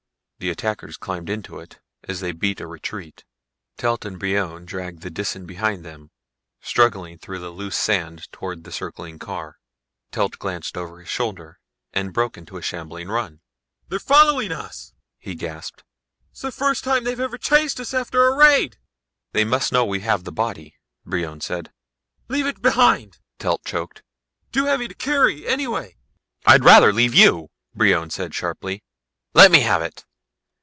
The attackers climbed into it as they beat a retreat. Telt and Brion dragged the Disan behind them, struggling through the loose sand towards the circling car. Telt glanced over his shoulder and broke into a shambling run. "They're following us!" he gasped. "The first time they ever chased us after a raid!" "They must know we have the body," Brion said. "Leave it behind ..." Telt choked. "Too heavy to carry ... anyway!" "I'd rather leave you," Brion said sharply. "Let me have it."